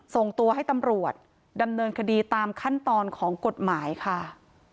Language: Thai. ส่งตัวให้ตำรวจดำเนินคดีตามขั้นตอนของกฎหมายค่ะ